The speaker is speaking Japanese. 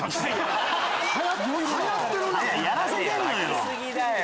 やらせてんのよ！